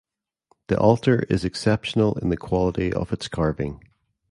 The altar is exceptional in the quality of its carving.